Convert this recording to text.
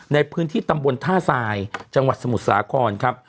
ในพื้นที่ตำบลท่าทรายจังหวัดสมุทรสาครครับ